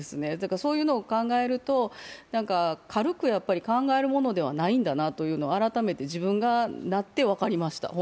そういうのを考えると、軽く考えるものではないんだなと改めて自分がなって分かりました。